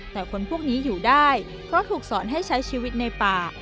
แต่คนพวกนี้อยู่ได้เพราะถูกสอนให้ใช้ชีวิตในป่า